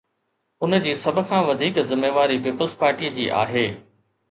ان جي سڀ کان وڌيڪ ذميواري پيپلز پارٽيءَ جي آهي.